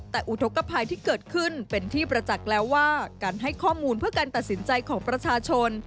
แต่อุทธกภัยที่เกิดขึ้นเป็นที่ประจักษ์แล้วว่าการให้ข้อมูลเพื่อการตัดสินใจของประชาชน